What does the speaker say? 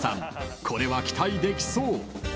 ［これは期待できそう］